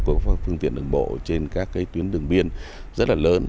của phương tiện đường bộ trên các tuyến đường biên rất là lớn